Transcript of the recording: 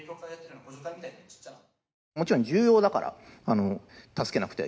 もちろん重要だから助けなくてはいけない。